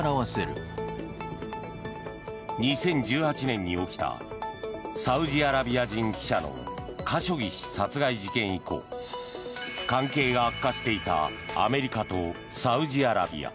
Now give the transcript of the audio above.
２０１８年に起きたサウジアラビア人記者のカショギ氏殺害事件以降関係が悪化していたアメリカとサウジアラビア。